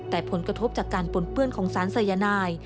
แต่ผลกระทบจากการปนเปื้อนของสารสายนาย